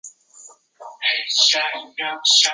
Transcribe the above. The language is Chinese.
东北交通大学为中华民国时期存在的一所大学。